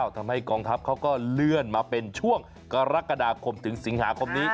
ทำให้กองทัพเขาก็เลื่อนมาเป็นช่วงกรกฎาคมถึงสิงหาคมนี้